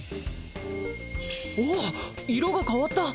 おおっ色が変わった！